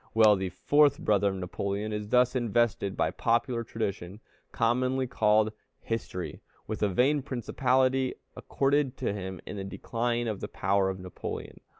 Well, the fourth brother of Napoleon is thus invested by popular tradition, commonly called history, with a vain principality accorded to him in the decline of the power of Napoleon.